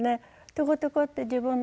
トコトコって自分のね